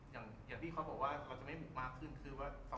อย่างที่พ่อพูดว่าจะไม่มุกมากขึ้นคือว่า